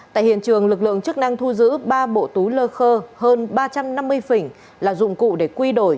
tại hiện trường lực lượng chức năng thu giữ ba bộ túi lơ khơ hơn ba trăm năm mươi phỉnh là dụng cụ để quy đổi